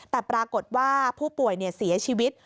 แต่ปรากฏว่าผู้ป่วยเสียชีวิต